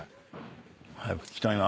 早く聞きたいな。